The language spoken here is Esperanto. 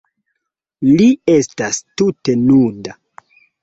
Li estas tute nuda.